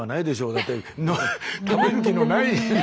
だって食べる気のない。